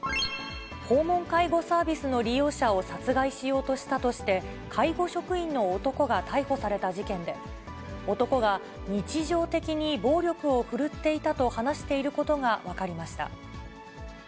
訪問介護サービスの利用者を殺害しようとしたとして、介護職員の男が逮捕された事件で、男が日常的に暴力を振るっていたと話していることが分かりました。